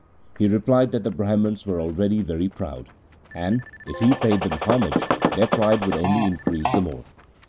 He replied that the Brahmans were already very proud, and, if he paid them homage, their pride would only increase the more.